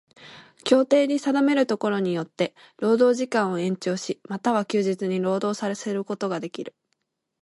協定で定めるところによつて労働時間を延長し、又は休日に労働させることができる。